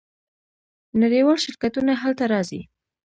نړیوال شرکتونه هلته راځي.